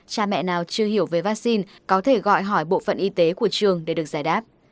cha mẹ nào chưa hiểu về vaccine có thể gọi hỏi bộ phận y tế của trường để được giải đáp